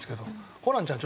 ホランちゃん